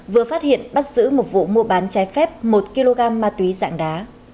vừa phát hiện bắt giữ một vụ mua bán trái phép một kg ma túy dạng đá